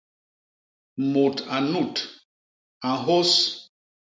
Mut a nnut, a nhôs.